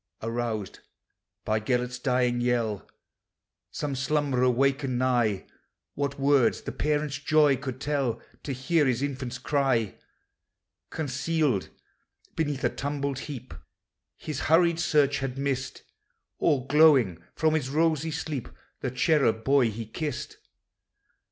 Aroused by Gelert's dying yell, Some slumberer wakened nigh : What words the parent's joy could tell To hear his infant's cry ! Concealed beneath a tumbled heap His hurried search had missed, All glowing from his rosy sleep, The cherub boy he kissed.